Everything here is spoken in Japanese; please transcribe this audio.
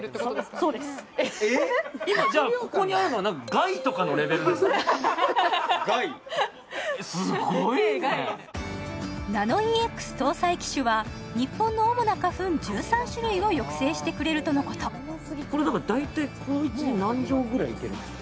そうです今じゃあ垓すごいねナノイーＸ搭載機種は日本の主な花粉１３種類を抑制してくれるとのことこれだから大体こいつで何畳ぐらいいけるんですか？